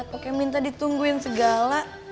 pokoknya minta ditungguin segala